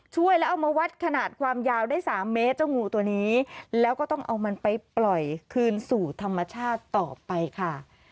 ช่วยแล้วเอามาวัดขนาดความยาวได้สามเมตรเจ้างูตัวนี้แล้วก็ต้องเอามันไปปล่อยคืนสู่ธรรมชาติต่อไปค่ะ